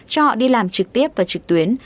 cho họ đi làm trực tiếp và trực tuyến